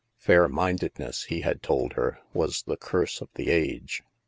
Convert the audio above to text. " Fair minded ness," he had told her, " was the curse of the age."